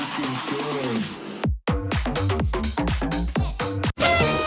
เชิญ